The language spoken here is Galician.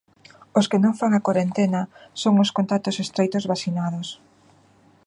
"Os que non fan a corentena son os contactos estreitos vacinados".